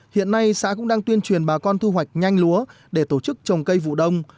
hiện nay xã cũng đang tuyên truyền bà con thu hoạch nhanh lúa để tổ chức trồng cây vụ đông